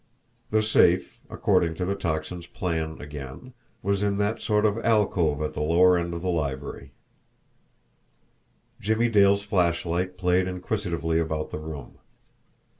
The safe, according to the Tocsin's plan again, was in that sort of alcove at the lower end of the library. Jimmie Dale's flashlight played inquisitively about the room.